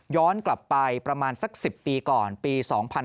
ย้อนกลับไปประมาณสัก๑๐ปีก่อนปี๒๕๔๗๒๕๔๘